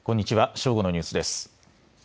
正午のニュースです。